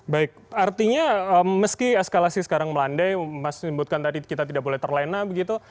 baik artinya meski eskalasi sekarang melandai mas sebutkan tadi kita tidak boleh terlena begitu